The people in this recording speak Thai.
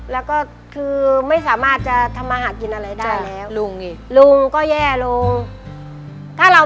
แล้วก็คือไม่สามารถจะทำมาหากินอะไรได้แล้วลุงอีกลุงก็แย่ลงถ้าเรา